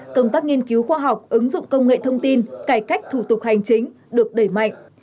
công tác nghiên cứu khoa học ứng dụng công nghệ thông tin cải cách thủ tục hành chính được đẩy mạnh